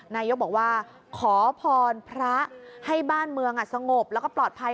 นายกบอกว่าขอพรพระให้บ้านเมืองสงบแล้วก็ปลอดภัย